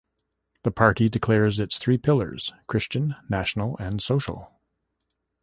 The party declares its three pillars: Christian, national and social.